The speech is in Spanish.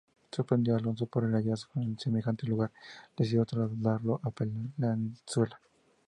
Sorprendido Alonso por el hallazgo en semejante lugar, decidió trasladarlo a Palenzuela.